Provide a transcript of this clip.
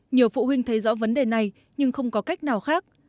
nhiều phụ huynh thấy rõ vấn đề này nhưng không có cách nào khác